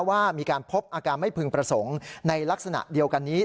ว่ามีการพบอาการไม่พึงประสงค์ในลักษณะเดียวกันนี้